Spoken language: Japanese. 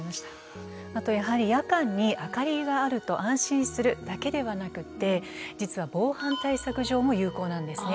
あとやはり夜間に明かりがあると安心するだけではなくて実は防犯対策上も有効なんですね。